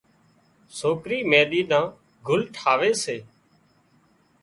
سوڪري مينۮِي نان گُل ٺاهي سي